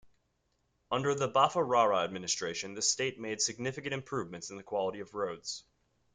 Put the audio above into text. Under the Bafarawa administration the state made significant improvements in the quality of roads.